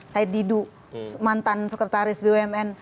said didu mantan sekretaris bumn